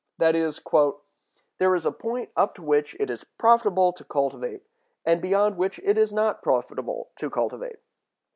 That is, "there is a point up to which it is profitable to cultivate, and beyond which it is not profitable to cultivate.